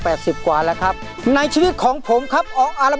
เพลงนี้อยู่ในอาราบัมชุดแรกของคุณแจ็คเลยนะครับ